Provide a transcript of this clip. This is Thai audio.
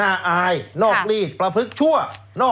แล้วเขาก็ใช้วิธีการเหมือนกับในการ์ตูน